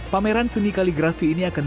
pameran seni kaligrafi ini akan